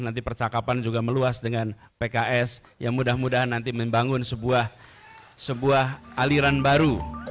nanti percakapan juga meluas dengan pks yang mudah mudahan nanti membangun sebuah aliran baru